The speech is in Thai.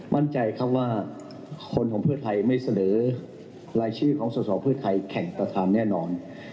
มั่นใจครับว่าคนของเพื่อไทยไม่เสนอรายชื่อของสอสอเพื่อไทยแข่งประธานแน่นอน